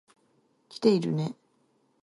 来ているね。